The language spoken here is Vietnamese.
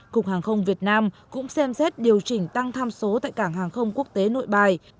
cục hàng không việt nam cũng xem xét điều chỉnh tăng tham số tại cảng hàng không quốc tế nội bài